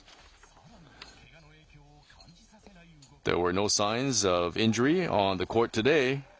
さらにけがの影響を感じさせない動き。